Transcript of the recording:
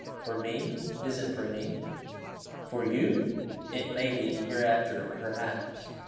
for me? is it for me?" "For you? It may be, hereafter, perhaps."